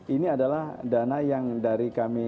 ini adalah dana yang dari kami